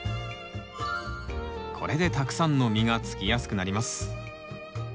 これでたくさんの実がつきやすくなります。